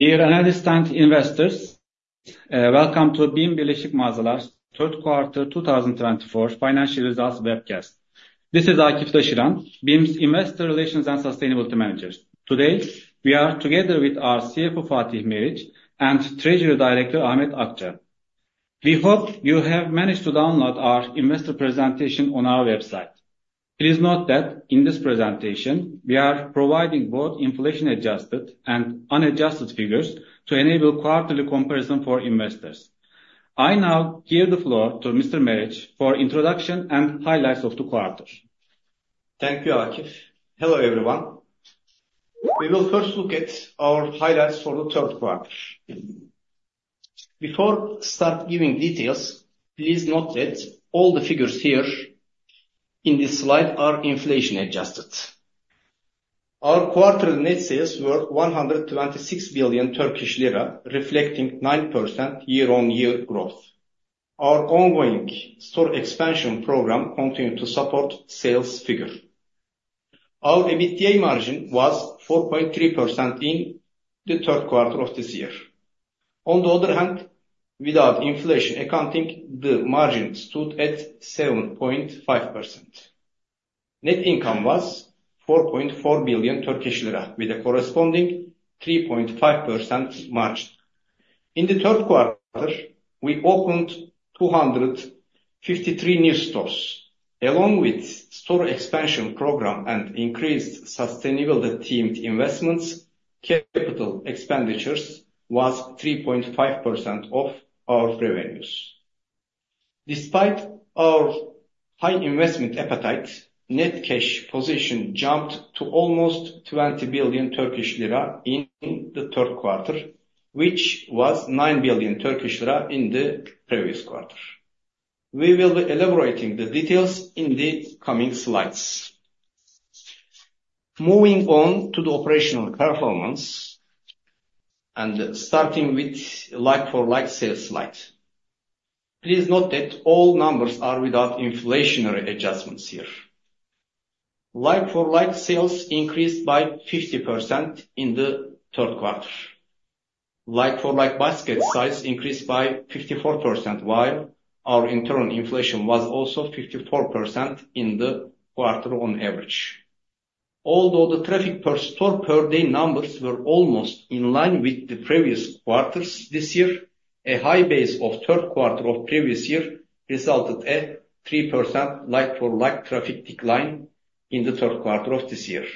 Dear and distant investors, welcome to BİM Birleşik Mağazalar Third Quarter 2024 Financial Results Webcast. This is Akif Demirşan, BİM's Investor Relations and Sustainability Manager. Today we are together with our CFO, Fatih Meriç, and Treasury Director, Ahmet Akça. We hope you have managed to download our investor presentation on our website. Please note that in this presentation we are providing both inflation-adjusted and unadjusted figures to enable quarterly comparison for investors. I now give the floor to Mr. Meriç for introduction and highlights of the quarter. Thank you, Akif. Hello everyone. We will first look at our highlights for the third quarter. Before starting giving details, please note that all the figures here in this slide are inflation-adjusted. Our quarterly net sales were 126 billion Turkish lira, reflecting 9% year-on-year growth. Our ongoing store expansion program continued to support sales figures. Our EBITDA margin was 4.3% in the third quarter of this year. On the other hand, without inflation accounting, the margin stood at 7.5%. Net income was 4.4 billion Turkish lira, with a corresponding 3.5% margin. In the third quarter, we opened 253 new stores. Along with store expansion program and increased sustainability-themed investments, capital expenditures were 3.5% of our revenues. Despite our high investment appetite, net cash position jumped to almost 20 billion Turkish lira in the third quarter, which was 9 billion Turkish lira in the previous quarter. We will be elaborating the details in the coming slides. Moving on to the operational performance and starting with like-for-like sales slide. Please note that all numbers are without inflationary adjustments here. Like-for-like sales increased by 50% in the third quarter. Like-for-like basket size increased by 54%, while our internal inflation was also 54% in the quarter on average. Although the traffic per store per day numbers were almost in line with the previous quarters this year, a high base of third quarter of previous year resulted in a 3% like-for-like traffic decline in the third quarter of this year.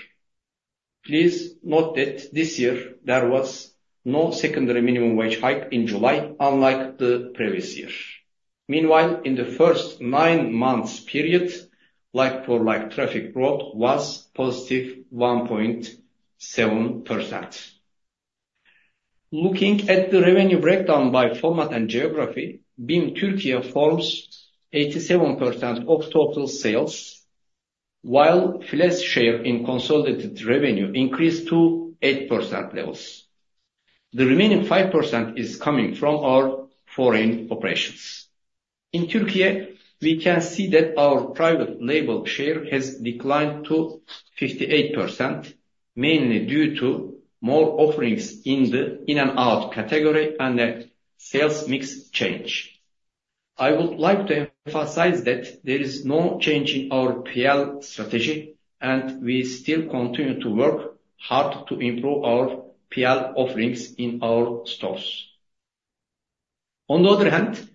Please note that this year there was no secondary minimum wage hike in July, unlike the previous year. Meanwhile, in the first nine months period, like-for-like traffic growth was positive 1.7%. Looking at the revenue breakdown by format and geography, BİM Türkiye forms 87% of total sales, while FİLE share in consolidated revenue increased to 8% levels. The remaining 5% is coming from our foreign operations. In Türkiye, we can see that our private label share has declined to 58%, mainly due to more offerings in the in-and-out category and a sales mix change. I would like to emphasize that there is no change in our PL strategy, and we still continue to work hard to improve our PL offerings in our stores. On the other hand,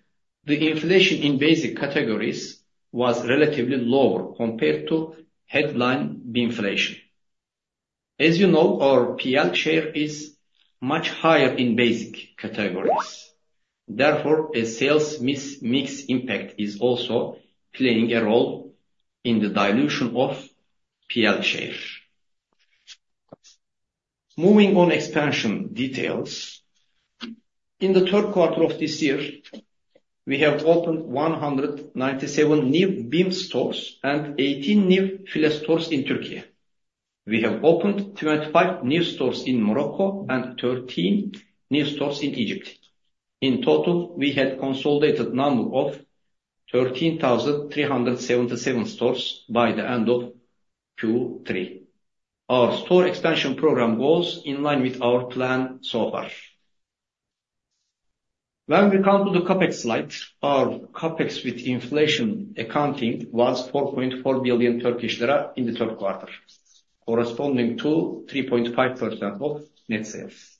the inflation in basic categories was relatively lower compared to headline BİM inflation. As you know, our PL share is much higher in basic categories. Therefore, a sales mix impact is also playing a role in the dilution of PL share. Moving on to expansion details. In the third quarter of this year, we have opened 197 new BİM stores and 18 new FİLE stores in Türkiye. We have opened 25 new stores in Morocco and 13 new stores in Egypt. In total, we had a consolidated number of 13,377 stores by the end of Q3. Our store expansion program goes in line with our plan so far. When we come to the CAPEX slide, our CAPEX with inflation accounting was 4.4 billion Turkish lira in the third quarter, corresponding to 3.5% of net sales.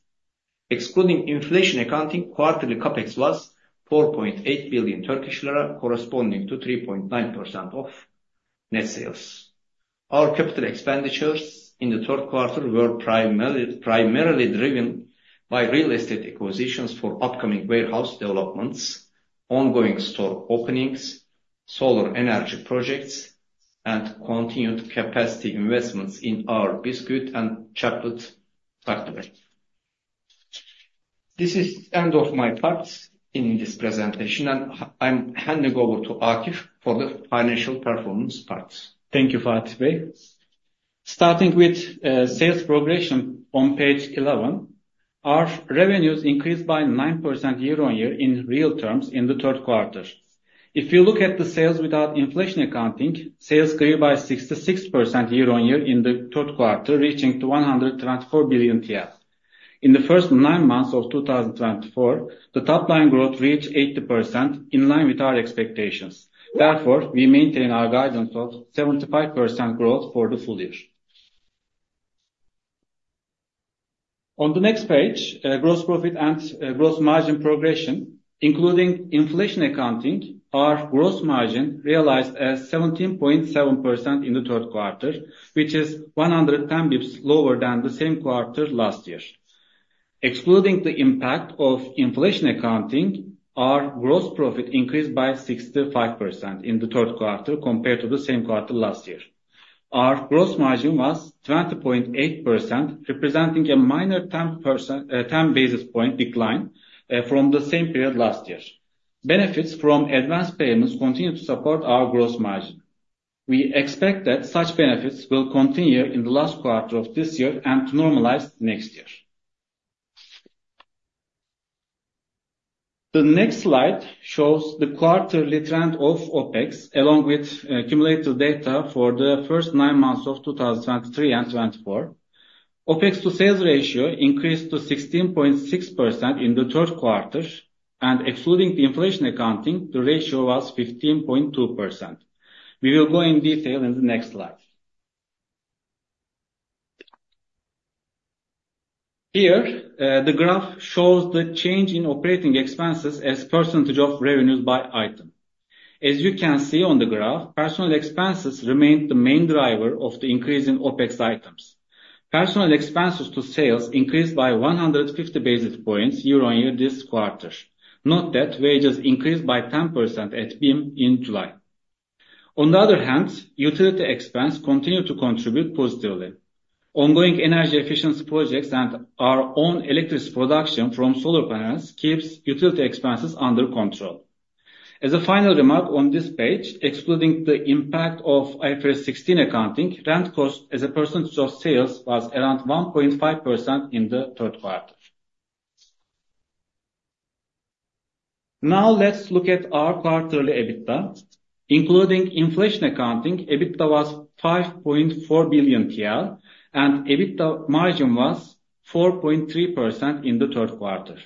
Excluding inflation accounting, quarterly CAPEX was 4.8 billion Turkish lira, corresponding to 3.9% of net sales. Our capital expenditures in the third quarter were primarily driven by real estate acquisitions for upcoming warehouse developments, ongoing store openings, solar energy projects, and continued capacity investments in our biscuit and chocolate factory. This is the end of my part in this presentation, and I'm handing over to Akif for the financial performance part. Thank you, Fatih Bey. Starting with sales progression on page 11, our revenues increased by 9% year-on-year in real terms in the third quarter. If you look at the sales without inflation accounting, sales grew by 66% year-on-year in the third quarter, reaching 124 billion. In the first nine months of 2024, the top-line growth reached 80%, in line with our expectations. Therefore, we maintain our guidance of 75% growth for the full year. On the next page, gross profit and gross margin progression, including inflation accounting, our gross margin realized as 17.7% in the third quarter, which is 110 basis points lower than the same quarter last year. Excluding the impact of inflation accounting, our gross profit increased by 65% in the third quarter compared to the same quarter last year. Our gross margin was 20.8%, representing a minor 10 basis point decline from the same period last year. Benefits from advance payments continue to support our gross margin. We expect that such benefits will continue in the last quarter of this year and to normalize next year. The next slide shows the quarterly trend of OPEX, along with cumulative data for the first nine months of 2023 and 2024. OPEX to sales ratio increased to 16.6% in the third quarter, and excluding inflation accounting, the ratio was 15.2%. We will go in detail in the next slide. Here, the graph shows the change in operating expenses as percentage of revenues by item. As you can see on the graph, personnel expenses remained the main driver of the increase in OPEX items. Personnel expenses to sales increased by 150 basis points year-on-year this quarter. Note that wages increased by 10% at BİM in July. On the other hand, utility expenses continue to contribute positively. Ongoing energy efficiency projects and our own electricity production from solar panels keep utility expenses under control. As a final remark on this page, excluding the impact of IFRS 16 accounting, rent cost as a percentage of sales was around 1.5% in the third quarter. Now let's look at our quarterly EBITDA. Including inflation accounting, EBITDA was 5.4 billion TL, and EBITDA margin was 4.3% in the third quarter.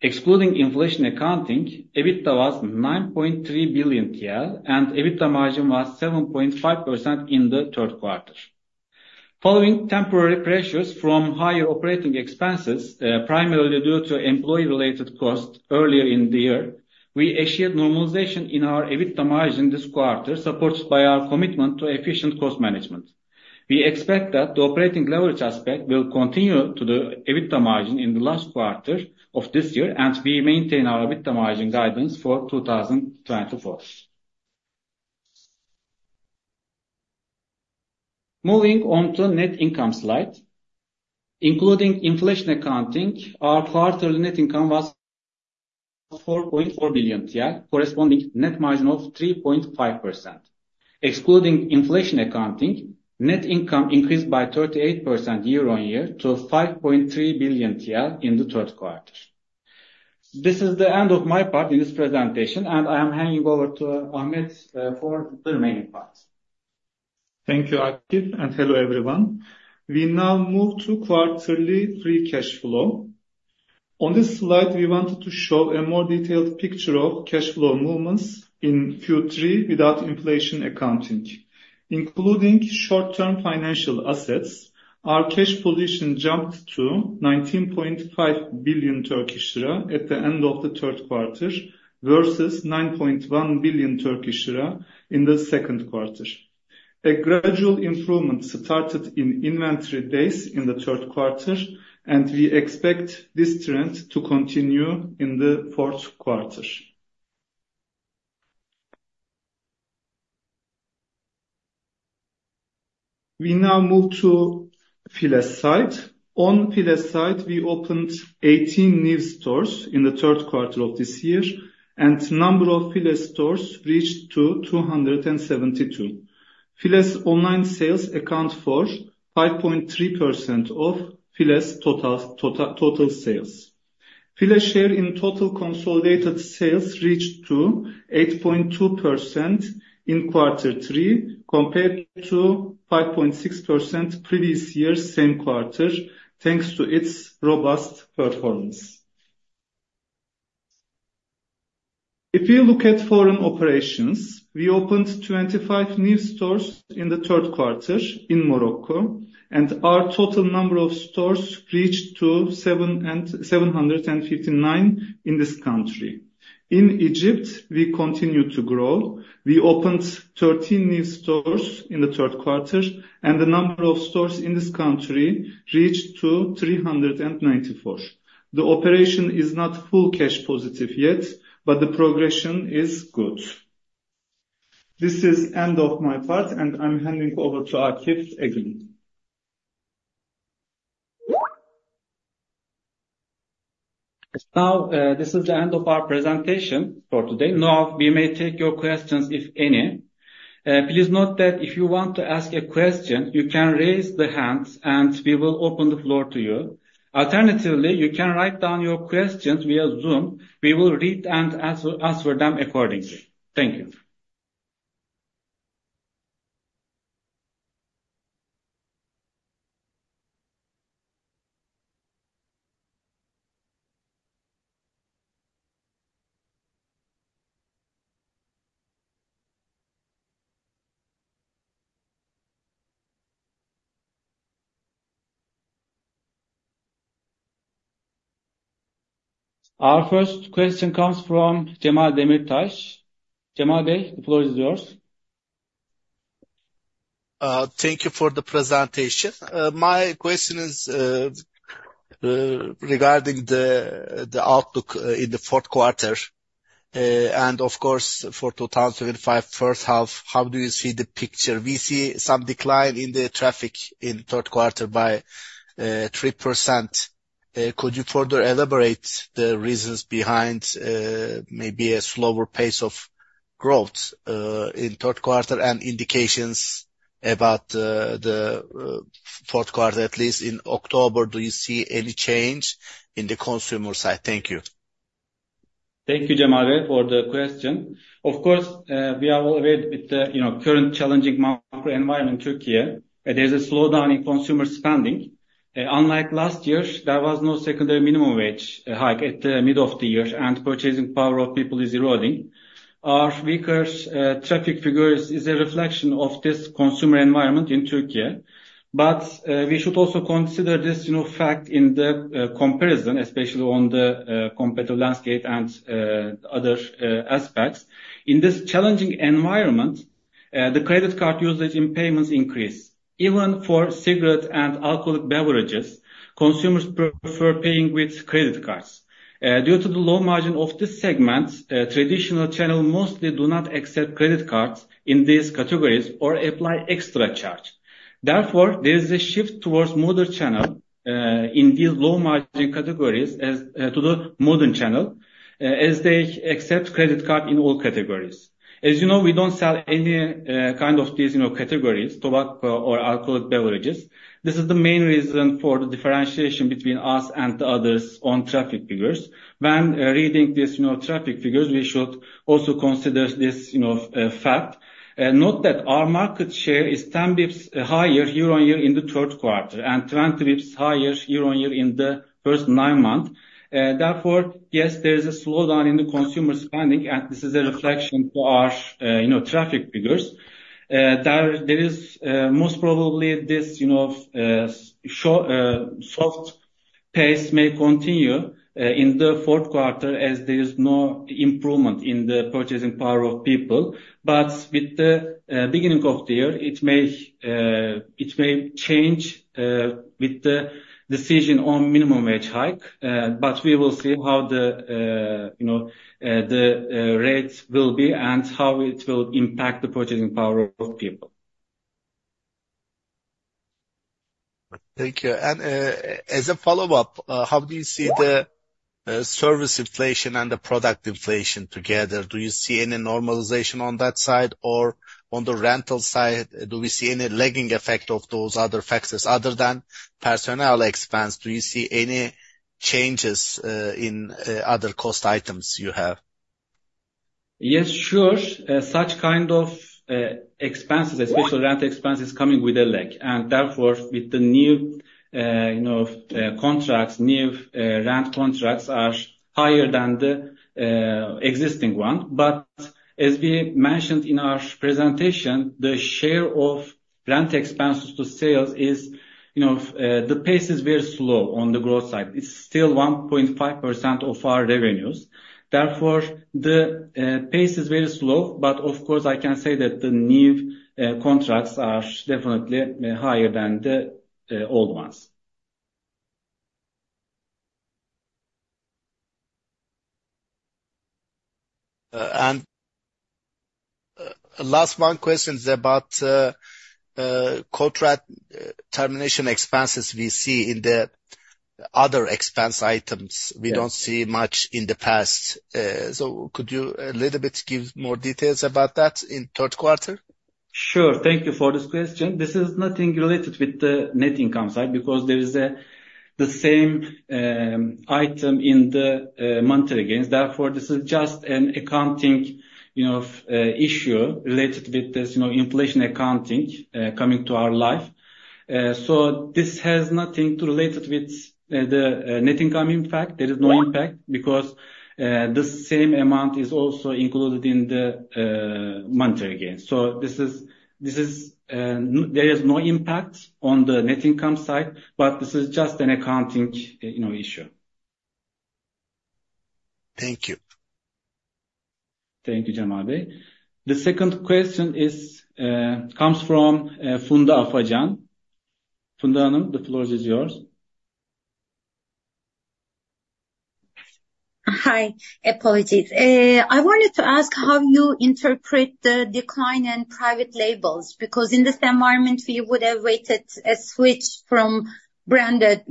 Excluding inflation accounting, EBITDA was 9.3 billion TL, and EBITDA margin was 7.5% in the third quarter. Following temporary pressures from higher operating expenses, primarily due to employee-related costs earlier in the year, we achieved normalization in our EBITDA margin this quarter, supported by our commitment to efficient cost management. We expect that the operating leverage aspect will continue to the EBITDA margin in the last quarter of this year, and we maintain our EBITDA margin guidance for 2024. Moving on to the net income slide. Including inflation accounting, our quarterly net income was 4.4 billion TL, corresponding to a net margin of 3.5%. Excluding inflation accounting, net income increased by 38% year-on-year to 5.3 billion TL in the third quarter. This is the end of my part in this presentation, and I am handing over to Ahmet for the remaining part. Thank you, Akif, and hello everyone. We now move to quarterly free cash flow. On this slide, we wanted to show a more detailed picture of cash flow movements in Q3 without inflation accounting. Including short-term financial assets, our cash position jumped to 19.5 billion Turkish lira at the end of the third quarter versus 9.1 billion Turkish lira in the second quarter. A gradual improvement started in inventory days in the third quarter, and we expect this trend to continue in the fourth quarter. We now move to FİLE side. On FİLE side, we opened 18 new stores in the third quarter of this year, and the number of FİLE stores reached 272. FİLE online sales account for 5.3% of FİLE total sales. FİLE share in total consolidated sales reached 8.2% in quarter three compared to 5.6% previous year same quarter, thanks to its robust performance. If you look at foreign operations, we opened 25 new stores in the third quarter in Morocco, and our total number of stores reached 759 in this country. In Egypt, we continue to grow. We opened 13 new stores in the third quarter, and the number of stores in this country reached 394. The operation is not full cash positive yet, but the progression is good. This is the end of my part, and I'm handing over to Akif again. Now, this is the end of our presentation for today. Now, we may take your questions if any. Please note that if you want to ask a question, you can raise the hand, and we will open the floor to you. Alternatively, you can write down your questions via Zoom. We will read and answer them accordingly. Thank you. Our first question comes from Cemal Demirtaş. Cemal Bey, the floor is yours. Thank you for the presentation. My question is regarding the outlook in the fourth quarter and of course, for 2025 first half, how do you see the picture? We see some decline in the traffic in the third quarter by 3%. Could you further elaborate the reasons behind maybe a slower pace of growth in the third quarter and indications about the fourth quarter, at least in October? Do you see any change in the consumer side? Thank you. Thank you, Cemal Bey, for the question. Of course, we are all aware of the current challenging macro environment in Türkiye. There is a slowdown in consumer spending. Unlike last year, there was no secondary minimum wage hike at the middle of the year, and purchasing power of people is eroding. Our weaker traffic figures are a reflection of this consumer environment in Türkiye. But we should also consider this fact in the comparison, especially on the competitive landscape and other aspects. In this challenging environment, the credit card usage in payments increased. Even for cigarette and alcoholic beverages, consumers prefer paying with credit cards. Due to the low margin of this segment, traditional channels mostly do not accept credit cards in these categories or apply extra charge. Therefore, there is a shift towards modern channels in these low margin categories to the modern channel, as they accept credit cards in all categories. As you know, we don't sell any kind of these categories, tobacco or alcoholic beverages. This is the main reason for the differentiation between us and the others on traffic figures. When reading these traffic figures, we should also consider this fact. Note that our market share is 10 basis points higher year-on-year in the third quarter and 20 basis points higher year-on-year in the first nine months. Therefore, yes, there is a slowdown in the consumer spending, and this is a reflection of our traffic figures. There is most probably this soft pace may continue in the fourth quarter, as there is no improvement in the purchasing power of people. But with the beginning of the year, it may change with the decision on minimum wage hike. But we will see how the rate will be and how it will impact the purchasing power of people. Thank you. And as a follow-up, how do you see the service inflation and the product inflation together? Do you see any normalization on that side? Or on the rental side, do we see any lagging effect of those other factors other than personnel expense? Do you see any changes in other cost items you have? Yes, sure. Such kind of expenses, especially rent expenses, are coming with a lag, and therefore, with the new contracts, new rent contracts are higher than the existing one, but as we mentioned in our presentation, the share of rent expenses to sales is the pace very slow on the growth side. It's still 1.5% of our revenues. Therefore, the pace is very slow, but of course, I can say that the new contracts are definitely higher than the old ones. And last one question is about contract termination expenses we see in the other expense items. We don't see much in the past. So could you a little bit give more details about that in the third quarter? Sure. Thank you for this question. This is nothing related with the net income side because there is the same item in the monthly gains. Therefore, this is just an accounting issue related with this inflation accounting coming to our life. So this has nothing to relate with the net income impact. There is no impact because the same amount is also included in the monthly gains. So there is no impact on the net income side, but this is just an accounting issue. Thank you. Thank you, Cemal Bey. The second question comes from Funda Afacan. Funda Hanım, the floor is yours. Hi, apologies. I wanted to ask how you interpret the decline in private labels because in this environment, we would have waited a switch from branded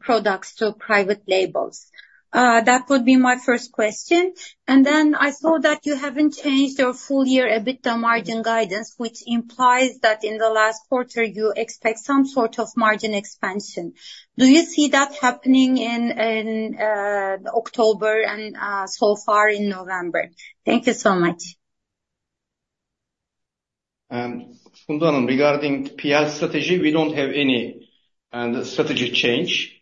products to private labels. That would be my first question. And then I saw that you haven't changed your full year EBITDA margin guidance, which implies that in the last quarter, you expect some sort of margin expansion. Do you see that happening in October and so far in November? Thank you so much. Funda Hanım, regarding PL strategy, we don't have any strategy change.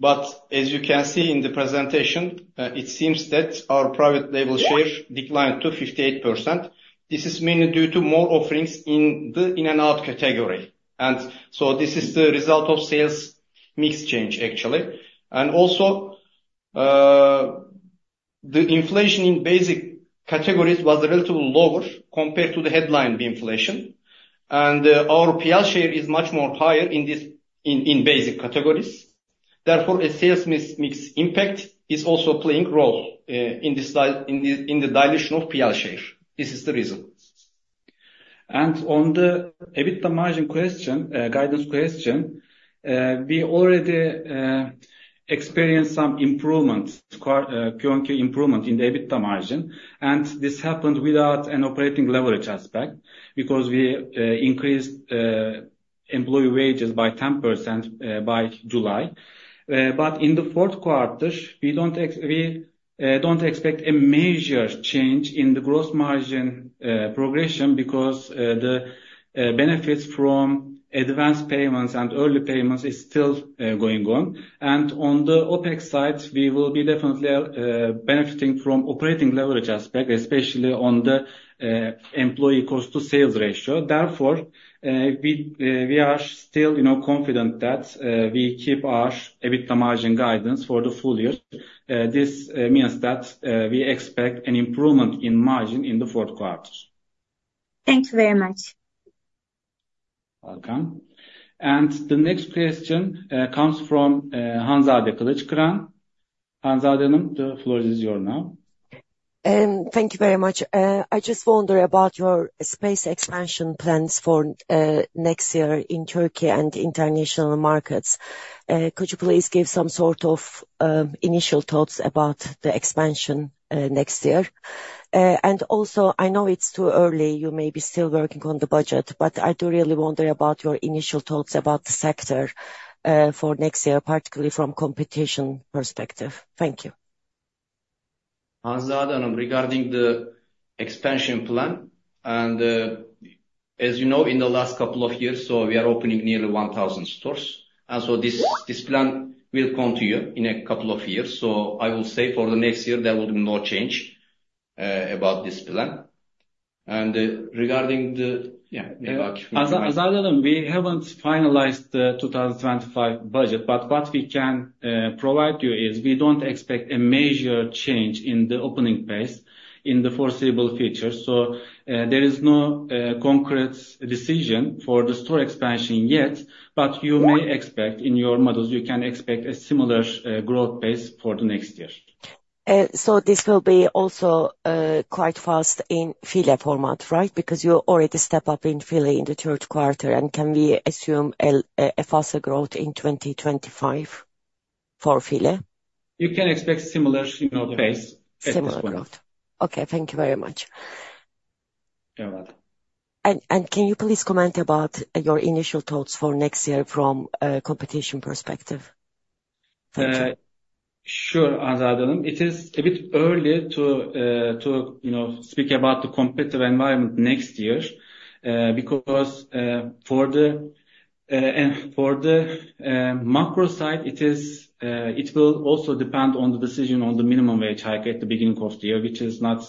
But as you can see in the presentation, it seems that our private label share declined to 58%. This is mainly due to more offerings in the in-and-out category. And so this is the result of sales mix change, actually. And also, the inflation in basic categories was relatively lower compared to the headline inflation. And our PL share is much more higher in basic categories. Therefore, a sales mix impact is also playing a role in the dilution of PL share. This is the reason. And on the EBITDA margin guidance question, we already experienced some improvement, P&Q improvement in the EBITDA margin. And this happened without an operating leverage aspect because we increased employee wages by 10% by July. But in the fourth quarter, we don't expect a major change in the gross margin progression because the benefits from advance payments and early payments are still going on. And on the OPEX side, we will be definitely benefiting from the operating leverage aspect, especially on the employee cost-to-sales ratio. Therefore, we are still confident that we keep our EBITDA margin guidance for the full year. This means that we expect an improvement in margin in the fourth quarter. Thank you very much. Welcome. And the next question comes from Hanzade Kılıçkıran. Hanzade Hanım, the floor is yours now. Thank you very much. I just wonder about your space expansion plans for next year in Türkiye and international markets. Could you please give some sort of initial thoughts about the expansion next year? And also, I know it's too early. You may be still working on the budget, but I do really wonder about your initial thoughts about the sector for next year, particularly from a competition perspective. Thank you. Hanzade Hanım, regarding the expansion plan, and as you know, in the last couple of years, we are opening nearly 1,000 stores. And so this plan will continue in a couple of years. So I will say for the next year, there will be no change about this plan. And regarding the... Hanzade Hanım, we haven't finalized the 2025 budget, but what we can provide you is we don't expect a major change in the opening pace in the foreseeable future, so there is no concrete decision for the store expansion yet, but you may expect in your models, you can expect a similar growth pace for the next year. This will be also quite fast in FİLE format, right? Because you already stepped up in FİLE in the third quarter, and can we assume a faster growth in 2025 for FİLE? You can expect similar pace. Similar growth. Okay, thank you very much. And can you please comment about your initial thoughts for next year from a competition perspective? Sure, Hanzade Hanım. It is a bit early to speak about the competitive environment next year because for the macro side, it will also depend on the decision on the minimum wage hike at the beginning of the year, which is not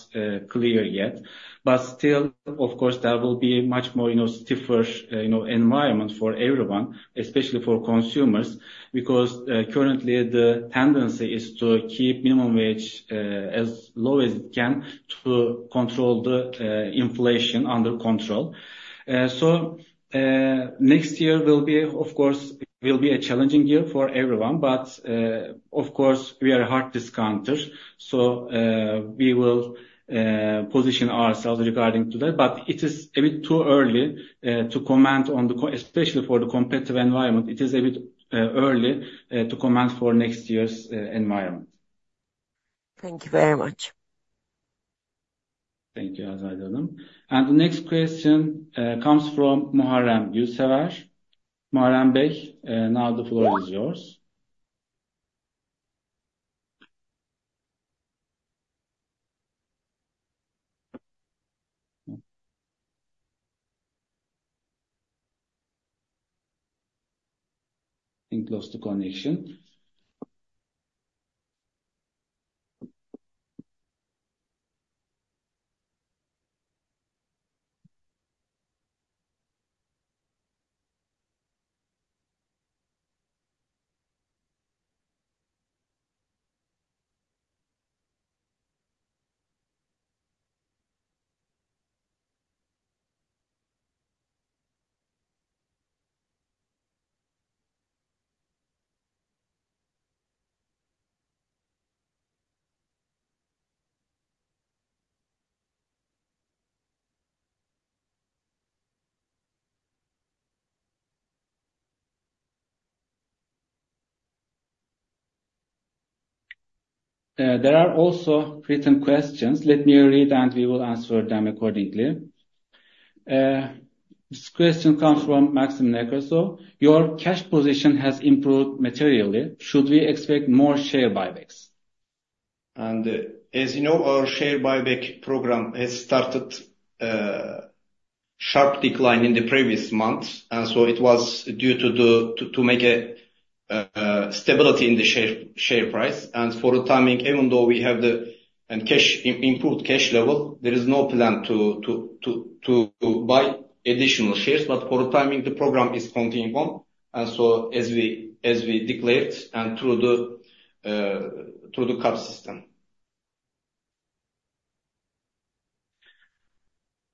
clear yet. But still, of course, there will be a much more stiffer environment for everyone, especially for consumers, because currently, the tendency is to keep minimum wage as low as it can to control the inflation under control. So next year will be, of course, will be a challenging year for everyone. But of course, we are a hard discounter, so we will position ourselves regarding that. But it is a bit too early to comment on the, especially for the competitive environment. It is a bit early to comment for next year's environment. Thank you very much. Thank you, Hanzade Hanım. And the next question comes from Muharrem Gülsever. Muharrem Bey, now the floor is yours. I think lost the connection. There are also written questions. Let me read, and we will answer them accordingly. This question comes from Maxim Nekrasov. Your cash position has improved materially. Should we expect more share buybacks? And as you know, our share buyback program has started a sharp decline in the previous months. And so it was due to make a stability in the share price. And for the timing, even though we have the improved cash level, there is no plan to buy additional shares. But for the timing, the program is continuing on. And so as we declared and through the KAP system.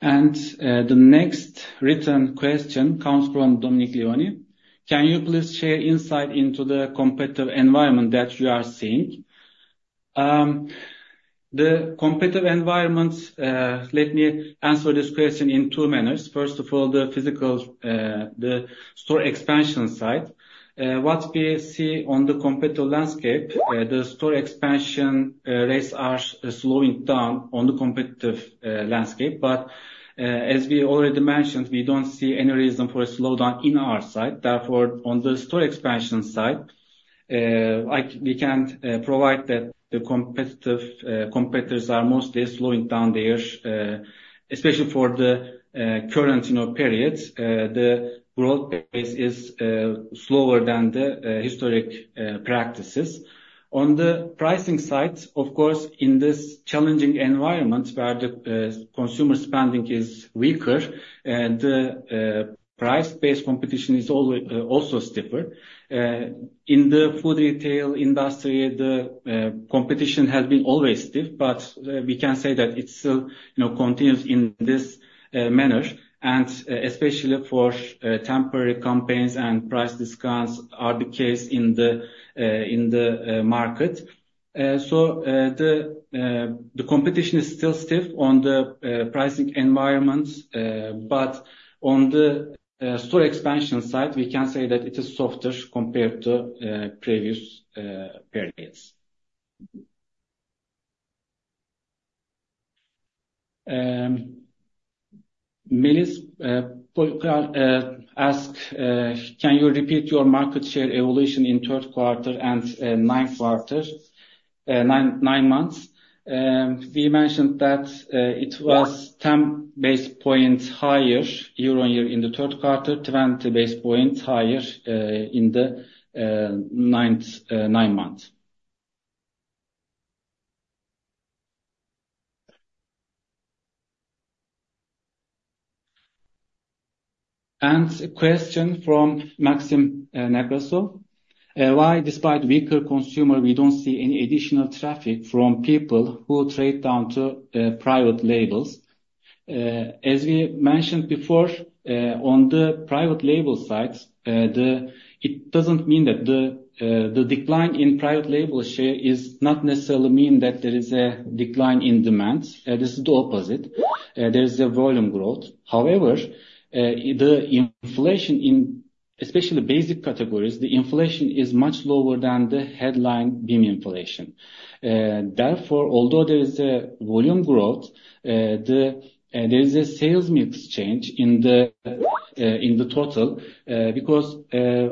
The next written question comes from Dominic Leoni. Can you please share insight into the competitive environment that you are seeing? The competitive environment, let me answer this question in two manners. First of all, the physical, the store expansion side. What we see on the competitive landscape, the store expansion rates are slowing down on the competitive landscape, but as we already mentioned, we don't see any reason for a slowdown in our side. Therefore, on the store expansion side, we can provide that the competitors are mostly slowing down there, especially for the current period. The growth pace is slower than the historic practices. On the pricing side, of course, in this challenging environment where the consumer spending is weaker, the price-based competition is also stiffer. In the food retail industry, the competition has been always stiff, but we can say that it still continues in this manner, and especially for temporary campaigns and price discounts are the case in the market, so the competition is still stiff on the pricing environment, but on the store expansion side, we can say that it is softer compared to previous periods. Melis asked, can you repeat your market share evolution in third quarter and ninth quarter, nine months? We mentioned that it was 10 basis points higher year on year in the third quarter, 20 basis points higher in the ninth month, and a question from Maxim Nekrasov. Why, despite weaker consumers, we don't see any additional traffic from people who trade down to private labels? As we mentioned before, on the private label side, it doesn't mean that the decline in private label share does not necessarily mean that there is a decline in demand. This is the opposite. There is a volume growth. However, the inflation in, especially basic categories, the inflation is much lower than the headline BIM inflation. Therefore, although there is a volume growth, there is a sales mix change in the total because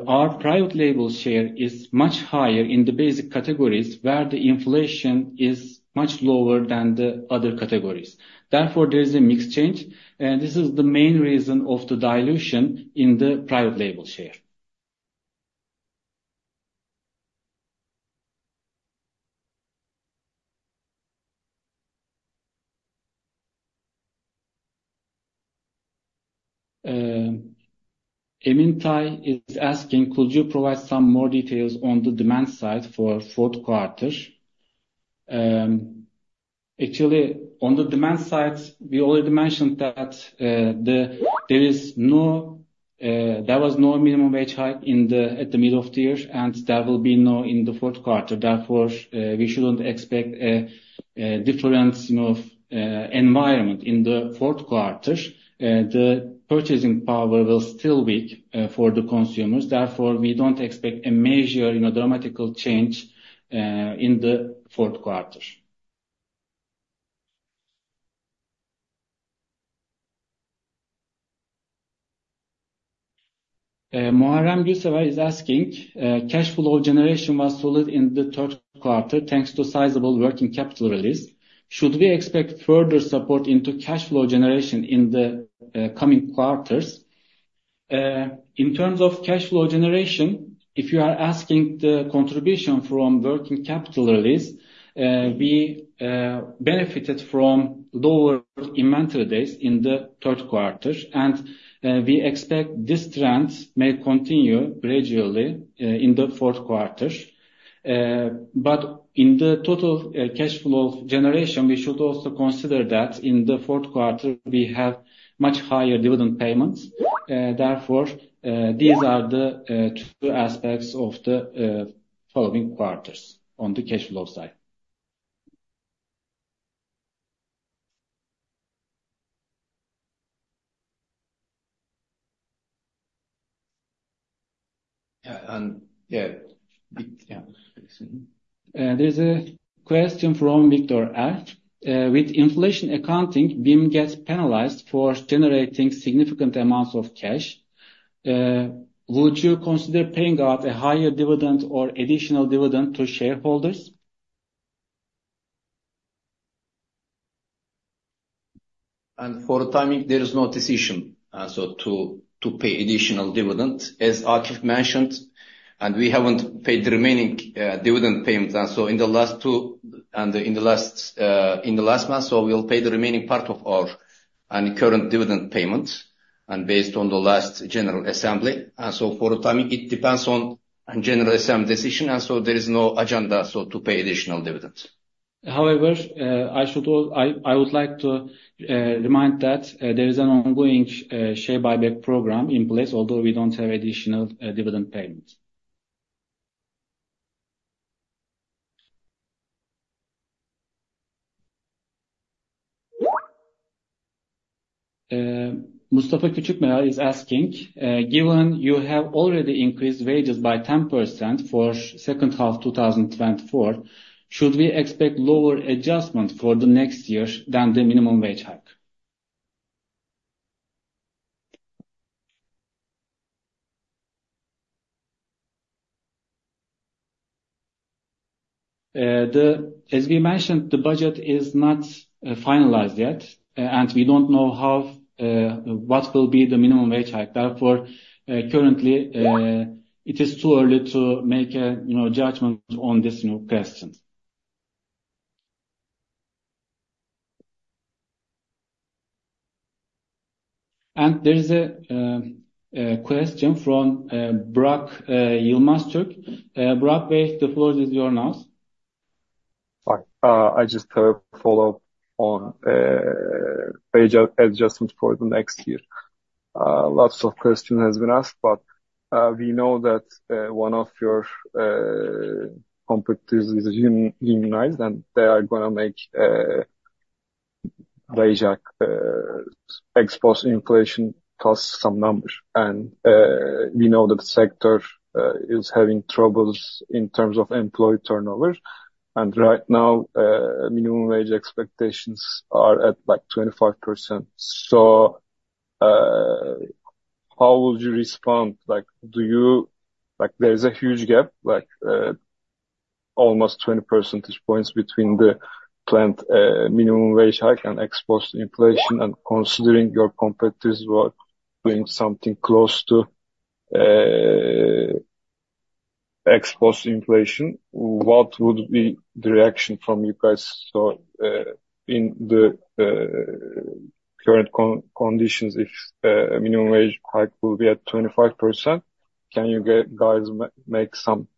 our private label share is much higher in the basic categories where the inflation is much lower than the other categories. Therefore, there is a mix change. This is the main reason of the dilution in the private label share. Emin Tay is asking, could you provide some more details on the demand side for the fourth quarter? Actually, on the demand side, we already mentioned that there was no minimum wage hike at the middle of the year, and there will be no in the fourth quarter. Therefore, we shouldn't expect a different environment in the fourth quarter. The purchasing power will still be weak for the consumers. Therefore, we don't expect a major dramatic change in the fourth quarter. Muharrem Gülsever is asking, "Cash flow generation was solid in the third quarter thanks to sizable working capital release. Should we expect further support into cash flow generation in the coming quarters?" In terms of cash flow generation, if you are asking the contribution from working capital release, we benefited from lower inventory days in the third quarter. And we expect this trend may continue gradually in the fourth quarter. But in the total cash flow generation, we should also consider that in the fourth quarter, we have much higher dividend payments. Therefore, these are the two aspects of the following quarters on the cash flow side. Yeah, there's a question from Victor F. With inflation accounting, BIM gets penalized for generating significant amounts of cash. Would you consider paying out a higher dividend or additional dividend to shareholders? For the timing, there is no decision to pay additional dividend. As Akif mentioned, we haven't paid the remaining dividend payments. In the last two months, we'll pay the remaining part of our current dividend payments based on the last general assembly. For the timing, it depends on general assembly decision. There is no agenda to pay additional dividends. However, I would like to remind that there is an ongoing share buyback program in place, although we don't have additional dividend payments. Mustafa Küçükmeral is asking, given you have already increased wages by 10% for second half 2024, should we expect lower adjustment for the next year than the minimum wage hike? As we mentioned, the budget is not finalized yet, and we don't know what will be the minimum wage hike. Therefore, currently, it is too early to make a judgment on this question. And there is a question from Burak Yılmaztürk. Burak, the floor is yours. I just have a follow-up on wage adjustment for the next year. Lots of questions have been asked, but we know that one of your competitors is unionized, and they are going to make wage exposed inflation plus some numbers. And we know that the sector is having troubles in terms of employee turnover. And right now, minimum wage expectations are at like 25%. So how would you respond? There is a huge gap, almost 20 percentage points between the planned minimum wage hike and exposed inflation. And considering your competitors were doing something close to exposed inflation, what would be the reaction from you guys? So in the current conditions, if minimum wage hike will be at 25%, can you guys make some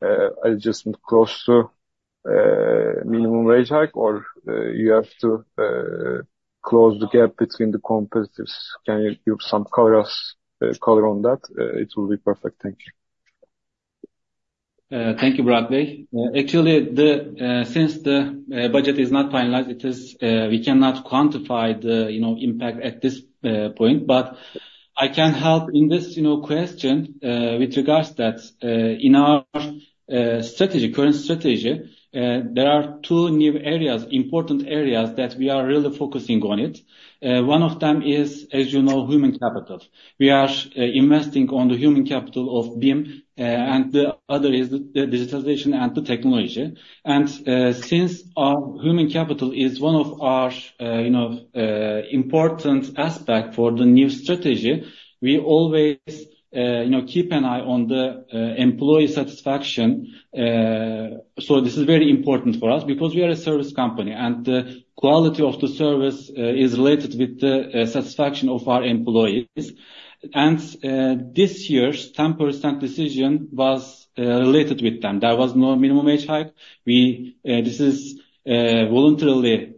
adjustment close to minimum wage hike, or you have to close the gap between the competitors? Can you give some color on that? It will be perfect. Thank you. Thank you, Burak Bey. Actually, since the budget is not finalized, we cannot quantify the impact at this point, but I can help in this question with regards that in our current strategy, there are two new areas, important areas that we are really focusing on. One of them is, as you know, human capital. We are investing on the human capital of BIM, and the other is the digitization and the technology, and since human capital is one of our important aspects for the new strategy, we always keep an eye on the employee satisfaction, so this is very important for us because we are a service company, and the quality of the service is related with the satisfaction of our employees, and this year's 10% decision was related with them. There was no minimum wage hike. This is voluntarily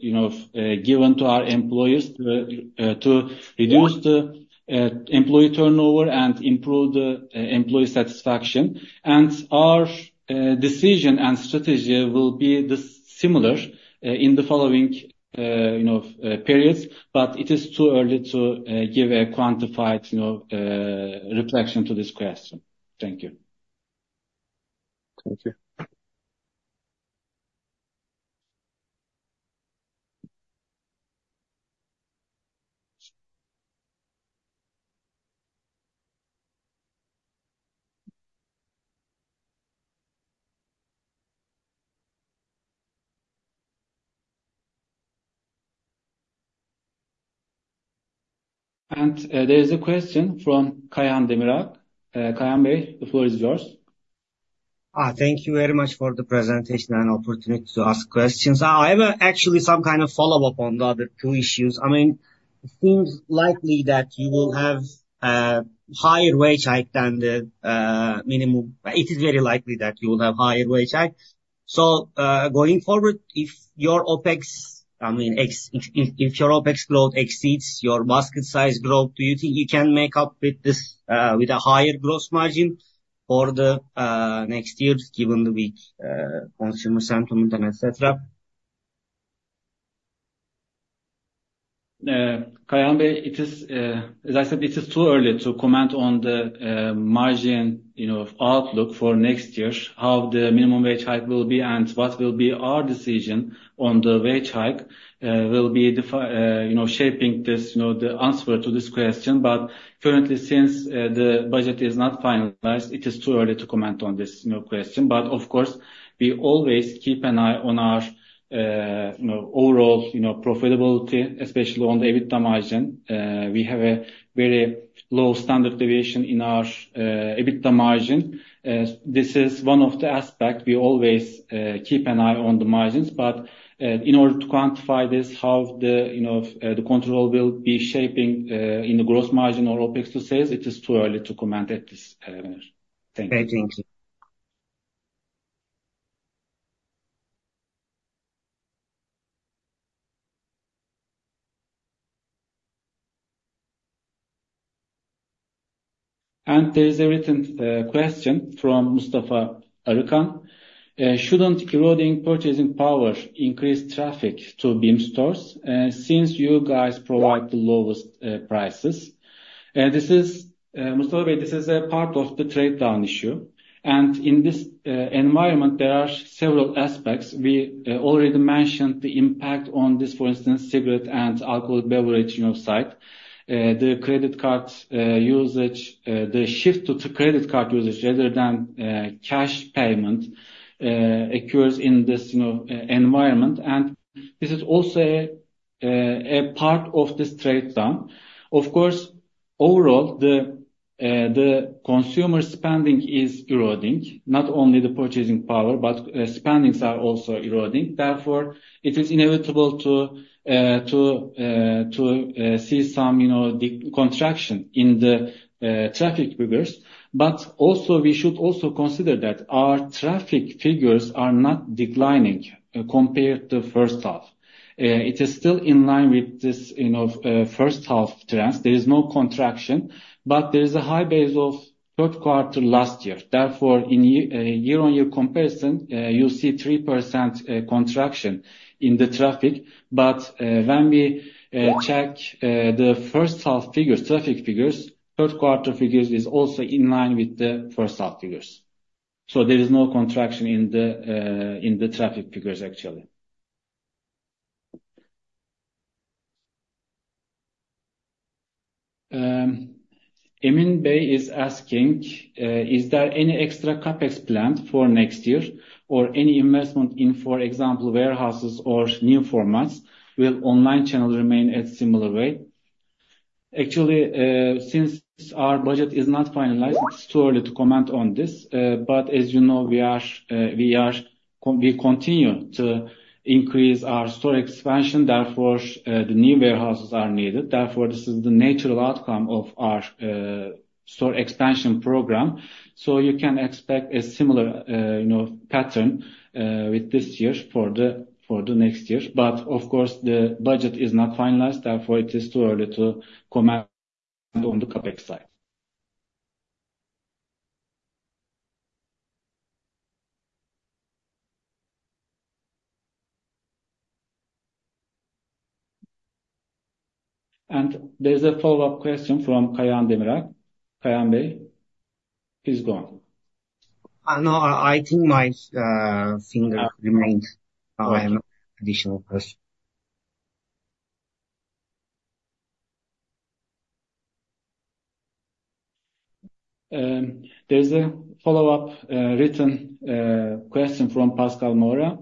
given to our employees to reduce the employee turnover and improve the employee satisfaction. And our decision and strategy will be similar in the following periods. But it is too early to give a quantified reflection to this question. Thank you. Thank you. There is a question from Kayhan Demirak. Kayhan Bey, the floor is yours. Thank you very much for the presentation and opportunity to ask questions. I have actually some kind of follow-up on the other two issues. I mean, it seems likely that you will have a higher wage hike than the minimum. It is very likely that you will have a higher wage hike. So going forward, if your OPEX growth exceeds your basket size growth, do you think you can make up with a higher gross margin for the next year given the weak consumer sentiment, etc.? Kayhan Bey, as I said, it is too early to comment on the margin outlook for next year, how the minimum wage hike will be, and what will be our decision on the wage hike will be shaping the answer to this question. But currently, since the budget is not finalized, it is too early to comment on this question. But of course, we always keep an eye on our overall profitability, especially on the EBITDA margin. We have a very low standard deviation in our EBITDA margin. This is one of the aspects we always keep an eye on the margins. But in order to quantify this, how the control will be shaping in the gross margin or OPEX sales, it is too early to comment in this manner. Thank you. Thank you. There is a written question from Mustafa Arıkan. Shouldn't eroding purchasing power increase traffic to BIM stores since you guys provide the lowest prices? This is, Mustafa Bey, this is a part of the trade-down issue. In this environment, there are several aspects. We already mentioned the impact on this, for instance, cigarette and alcoholic beverage site, the credit card usage, the shift to credit card usage rather than cash payment occurs in this environment. This is also a part of this trade-down. Of course, overall, the consumer spending is eroding, not only the purchasing power, but spendings are also eroding. Therefore, it is inevitable to see some contraction in the traffic figures. Also, we should also consider that our traffic figures are not declining compared to the first half. It is still in line with this first half trend. There is no contraction, but there is a high base of third quarter last year. Therefore, in year-on-year comparison, you see 3% contraction in the traffic. But when we check the first half figures, traffic figures, third quarter figures is also in line with the first half figures. So there is no contraction in the traffic figures, actually. Emin Bey is asking, is there any extra CAPEX planned for next year or any investment in, for example, warehouses or new formats? Will online channels remain at a similar rate? Actually, since our budget is not finalized, it's too early to comment on this. But as you know, we continue to increase our store expansion. Therefore, the new warehouses are needed. Therefore, this is the natural outcome of our store expansion program. So you can expect a similar pattern with this year for the next year. But of course, the budget is not finalized. Therefore, it is too early to comment on the CAPEX side. And there's a follow-up question from Kayhan Demirak. Kayhan Bey, please go on. No, I think my finger remained. I have an additional question. There's a follow-up written question from Pascal Mora.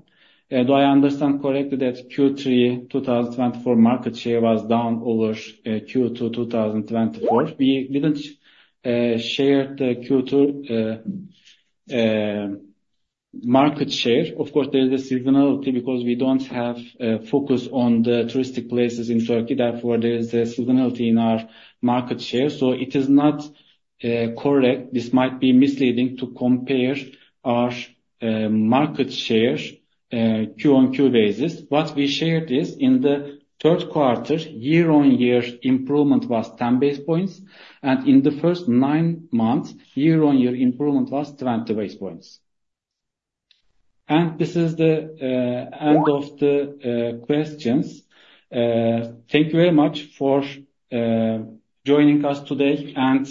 Do I understand correctly that Q3 2024 market share was down over Q2 2024? We didn't share the Q2 market share. Of course, there is a seasonality because we don't have a focus on the touristic places in Turkey. Therefore, there is a seasonality in our market share. So it is not correct. This might be misleading to compare our market share Q on Q basis. What we shared is in the third quarter, year-on-year improvement was 10 basis points. And in the first nine months, year-on-year improvement was 20 basis points. And this is the end of the questions. Thank you very much for joining us today. And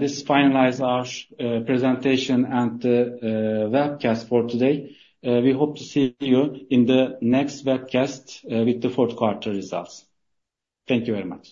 this finalizes our presentation and the webcast for today. We hope to see you in the next webcast with the fourth quarter results. Thank you very much.